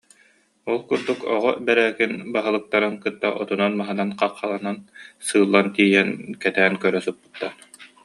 Ол курдук, Оҕо Бэрээкин баһылыктарын кытта отунан-маһынан хаххаланан, сыылан тиийэн, кэтээн көрө сыппыттар